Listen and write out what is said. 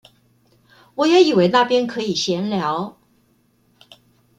我也以為那邊可以閒聊